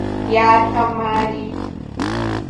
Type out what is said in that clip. Jártam már így.